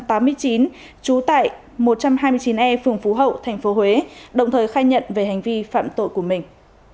trú tại một trăm hai mươi chín e phường phú hậu tp huế đồng thời khai nhận về hành vi phạm tội của mình